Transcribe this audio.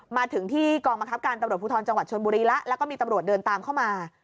มาถึงที่กองบังคับการตำรวจภูทรจังหวัดชนบุรีแล้วแล้วก็มีตำรวจเดินตามเข้ามา